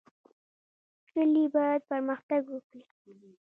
کلي باید پرمختګ وکړي